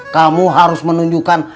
kamu harus menunjukkan